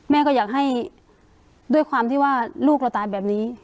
แม่ก็อยากให้ด้วยความที่ว่าลูกเราตายแบบนี้